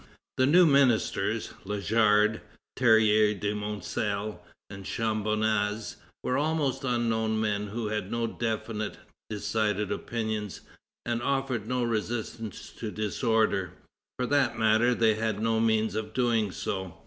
The new ministers, Lajard, Terrier de Montciel, and Chambonas, were almost unknown men who had no definite, decided opinions, and offered no resistance to disorder: for that matter, they had no means of doing so.